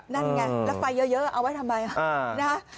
นั่นไงแล้วไฟเยอะเอาไว้ทำไมนะฮะ